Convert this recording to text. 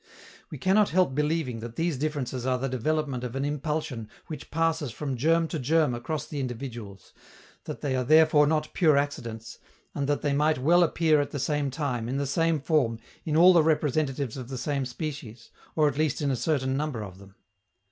We cannot help believing that these differences are the development of an impulsion which passes from germ to germ across the individuals, that they are therefore not pure accidents, and that they might well appear at the same time, in the same form, in all the representatives of the same species, or at least in a certain number of them.